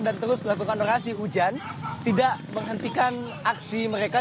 dan terus melakukan reaksi hujan tidak menghentikan aksi mereka